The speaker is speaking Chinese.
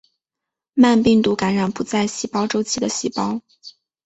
慢病毒感染不在细胞周期的细胞。